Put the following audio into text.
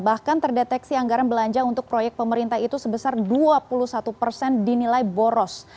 bahkan terdeteksi anggaran belanja untuk proyek pemerintah itu sebesar dua puluh satu persen dinilai boros